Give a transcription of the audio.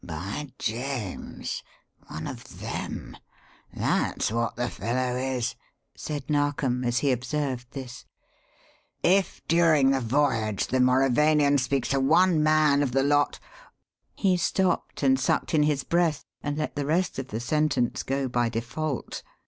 "By James! one of them that's what the fellow is!" said Narkom, as he observed this. "If during the voyage the Mauravanian speaks to one man of the lot " He stopped and sucked in his breath and let the rest of the sentence go by default.